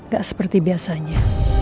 gak seperti biasanya